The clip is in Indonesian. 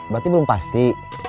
berarti belum pasti